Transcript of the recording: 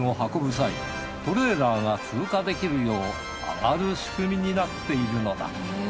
際トレーラーが通過できるよう上がる仕組みになっているのだ。